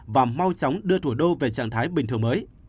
và mau chóng đưa thủ đô về trạng thái bình thường mới